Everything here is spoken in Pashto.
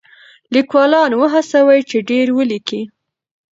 لیکوالان وهڅوئ چې ډېر ولیکي.